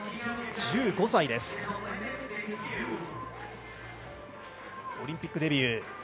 １５歳です、オリンピックデビュー。